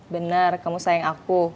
benar kamu sayang aku